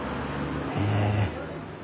へえ。